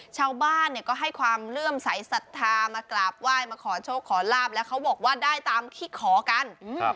ชาวบ้านเนี่ยก็ให้ความเลื่อมใสสัทธามากราบไหว้มาขอโชคขอลาบแล้วเขาบอกว่าได้ตามที่ขอกัน